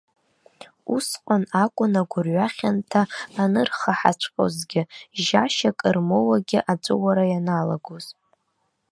Усҟан акәын агәырҩа хьанҭа анырхаҳаҵәҟьозгьы, жьжьашьак рмоуагьы аҵәыуара ианалагоз.